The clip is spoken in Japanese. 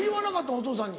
お父さんに。